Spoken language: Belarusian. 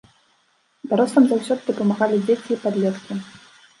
Дарослым заўсёды дапамагалі дзеці і падлеткі.